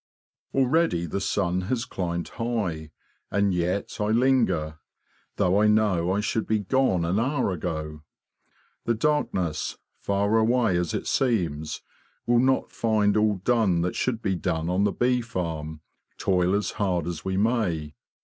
Already the sun has climbed high, and yet I linger, though I know I should be gone an hour ago. The darkness, far away as it seems, will not find all done that should be done on the bee farm, toil as hard as we may.